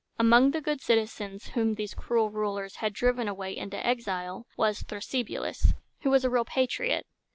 Among the good citizens whom these cruel rulers had driven away into exile, was Thras y bu´lus, who was a real patriot.